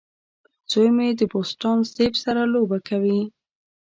زوی مې د بوسټان سیب سره لوبه کوي.